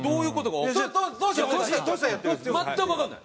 全くわからない。